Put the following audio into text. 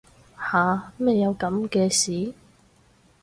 吓乜有噉嘅事